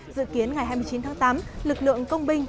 dự kiến ngày hai mươi chín tháng tám lực lượng công binh